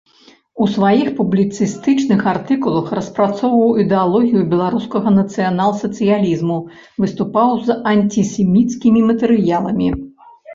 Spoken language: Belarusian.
У сваіх публіцыстычных артыкулах распрацоўваў ідэалогію беларускага нацыянал-сацыялізму, выступаў з антысеміцкімі матэрыяламі.